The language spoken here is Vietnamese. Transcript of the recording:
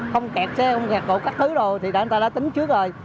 không kẹt xe không kẹt cổ các thứ rồi thì người ta đã tính trước rồi